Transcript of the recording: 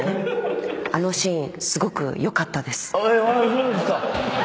そうですか。